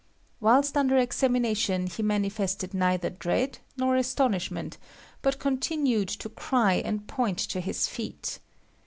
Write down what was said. Whilst under examination he manifested neither dread nor astonishment, but continued to cry and point to his feet.